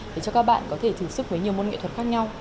để cho các bạn có thể thử sức với nhiều môn nghệ thuật khác nhau